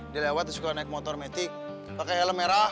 dia lewat dia suka naik motor metik pakai helm merah